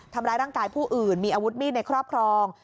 ทำร้ายร่างกายผู้อื่นมีอาวุธมีดในครอบครอง